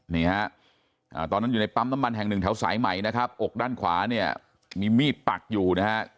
นี่ฮะตอนนั้นอยู่ในปั๊มน้ำมันแห่งหนึ่งแถวสายใหม่นะครับอกด้านขวาเนี่ยมีมีดปักอยู่นะฮะ